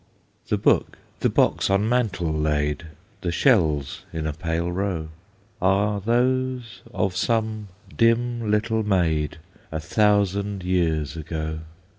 The book, the box on mantel laid, The shells in a pale row, Are those of some dim little maid, A thousand years ago.